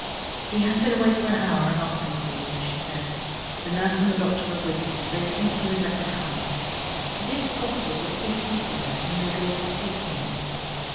"He has been awake for an hour and asking for you," she said. "The nurse and the doctor are with him: they think you had better come. It is possible that if he sees you there, he may go off to sleep again.